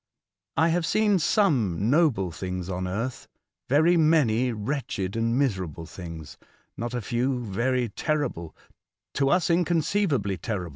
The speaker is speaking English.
I have seen some noble things on earth, very many wretched and miserable things ; not a few, very terrible — to us inconceivably terrible.